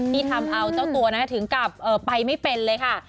ที่ทำเอาเจ้าตัวถึงกลับไปไม่เป็นเลยค่ะ